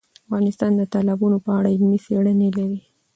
افغانستان د تالابونه په اړه علمي څېړنې لري.